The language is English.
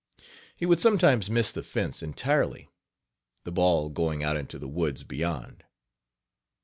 He would sometimes miss the fence entirely, the ball going out into the woods beyond.